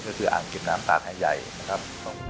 แล้วก็คืออ่างเก็บน้ำตาดไฮใหญ่นะครับ